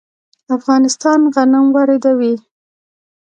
افغانستان غنم واردوي.